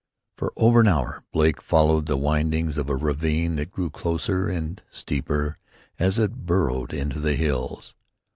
For over an hour Blake followed the windings of a ravine that grew closer and steeper as it burrowed into the hills.